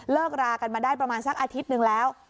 รากันมาได้ประมาณสักอาทิตย์หนึ่งแล้ว